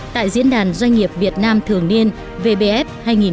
tại diễn đàn doanh nghiệp việt nam thường niên vbf hai nghìn một mươi chín